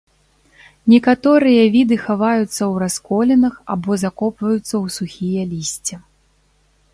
Некаторыя віды хаваюцца ў расколінах або закопваюцца ў сухія лісце.